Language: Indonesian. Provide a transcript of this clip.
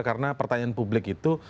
karena pertanyaan publik itu